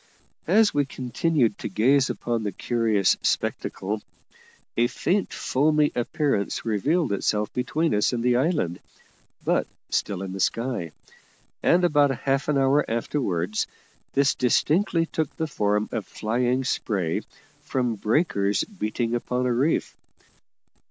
As we continued to gaze upon the curious spectacle, a faint foamy appearance revealed itself between us and the island, but still in the sky; and about half an hour afterwards this distinctly took the form of flying spray from breakers beating upon a reef.